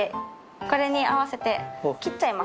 これに合わせて切っちゃいましょう。